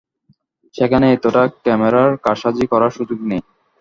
সেখানে এতটা ক্যামেরার কারসাজি করার সুযোগ নেই।